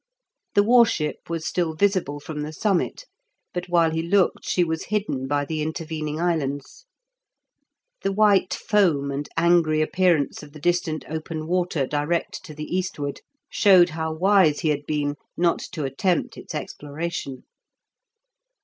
The war ship was still visible from the summit, but while he looked she was hidden by the intervening islands. The white foam and angry appearance of the distant open water direct to the eastward, showed how wise he had been not to attempt its exploration.